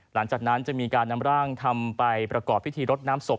หลังจากนั้นจะมีการนำร่างทำไปประกอบพิธีรดน้ำศพ